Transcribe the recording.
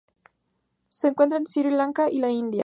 Se encuentra en Sri Lanka y la India.